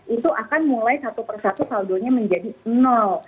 itu akan mulai satu persatu saldonya menjadi nol